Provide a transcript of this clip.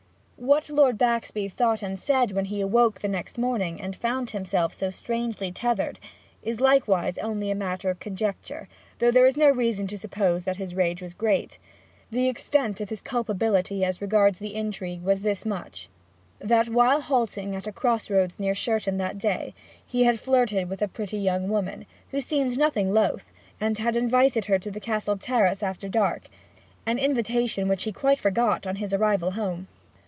What Lord Baxby thought and said when he awoke the next morning, and found himself so strangely tethered, is likewise only matter of conjecture; though there is no reason to suppose that his rage was great. The extent of his culpability as regards the intrigue was this much; that, while halting at a cross road near Sherton that day, he had flirted with a pretty young woman, who seemed nothing loth, and had invited her to the Castle terrace after dark an invitation which he quite forgot on his arrival home.